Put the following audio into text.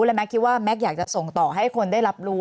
และแม็กคิดว่าแม็กซ์อยากจะส่งต่อให้คนได้รับรู้